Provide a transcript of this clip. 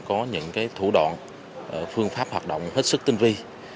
có những thủ đoạn phương pháp hoạt động hết sức tinh vi